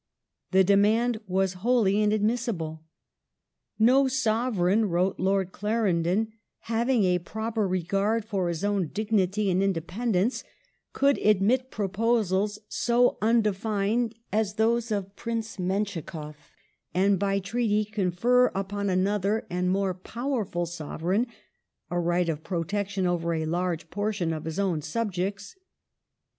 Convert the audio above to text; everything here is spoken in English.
^ The demand was wholly inadmissible, *' No Sovereign," wrote Lord Clarendon, having a proper regard for his own dignity and independence could admit proposals so undefined as those of Prince Menschikoff and by treaty confer upon another and more powerful Sovereign a right of protection over a large portion of his own subjects.